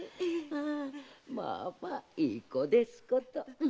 まあまあいい子ですこと！